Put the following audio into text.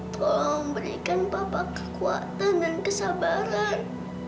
tolong berikan bapak kekuatan dan kesabaran